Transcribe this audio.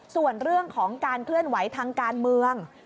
ส่วนเรื่องของการเคลื่อนไหวทางการเมือง